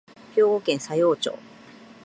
兵庫県佐用町